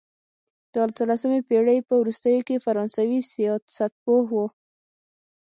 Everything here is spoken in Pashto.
د اتلسمې پېړۍ په وروستیو کې فرانسوي سیاستپوه وو.